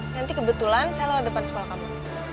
nanti kebetulan saya lewat depan sekolah kamu